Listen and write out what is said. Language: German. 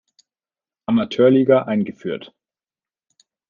Amateurliga eingeführt.